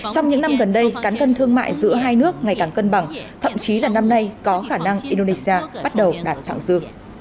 trong những năm gần đây cán cân thương mại giữa hai nước ngày càng cân bằng thậm chí là năm nay có khả năng indonesia bắt đầu đạt thẳng dư